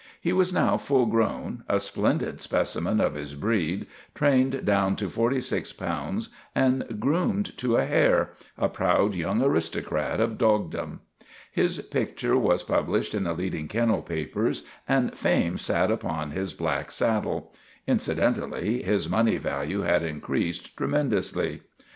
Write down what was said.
He was now full grown, a splendid specimen of his breed, trained down to forty six pounds and groomed to a hair a proud young aristocrat of dogdom. His picture was pub lished in the leading kennel papers and fame sat upon his black saddle. Incidentally his money value had increased tremendously.